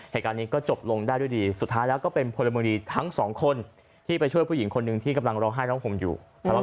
เหตุการณ์นี้ก็จบลงได้ด้วยดีสุดท้ายแล้วก็เป็นพลเมืองดีทั้งสองคนที่ไปช่วยผู้หญิงคนหนึ่งที่กำลังร้องไห้ร้องห่มอยู่ทะเลาะ